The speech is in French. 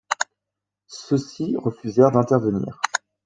Ceux-ci refusèrent d'intervenir.